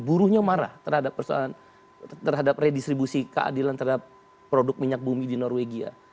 buruhnya marah terhadap redistribusi keadilan terhadap produk minyak bumi di norwegia